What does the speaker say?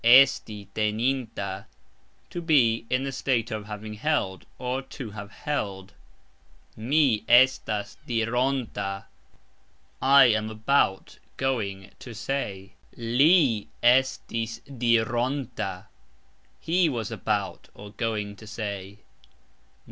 Esti teninta ................ To be (in the state of) having held, or, to have held. Mi estas dironta ............ I am about (going) to say. Li estis dironta ............ He was about (going) to say.